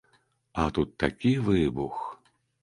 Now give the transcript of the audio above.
А тут такі выбух.